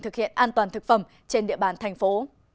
thực hiện an toàn thực phẩm trên địa bàn thành phố